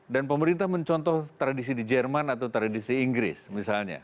dan pemerintah mencontoh tradisi di jerman atau tradisi inggris misalnya